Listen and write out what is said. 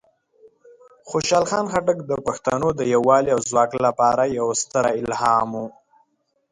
خوشحال خان خټک د پښتنو د یوالی او ځواک لپاره یوه ستره الهام وه.